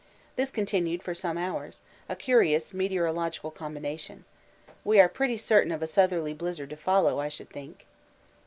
This continued for some hours a curious meteorological combination. We are pretty certain of a southerly blizzard to follow, I should think.